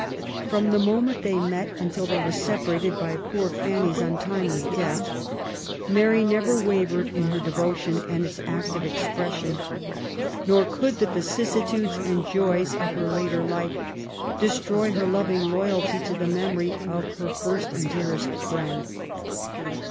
From the moment they met until they were separated by poor Fanny's untimely death, Mary never wavered in her devotion and its active expression^ nor could the vicissitudes and joys of her later life destroy her loving loyalty to the memory of her first and dearest friend.